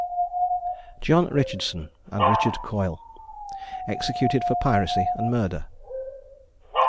JOHN RICHARDSON AND RICHARD COYLE. EXECUTED FOR PIRACY AND MURDER.